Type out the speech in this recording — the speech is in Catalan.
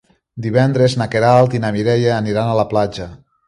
Divendres na Queralt i na Mireia aniran a la platja.